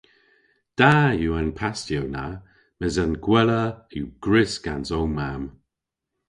Da yw an pastiow na mes an gwella yw gwrys gans ow mamm.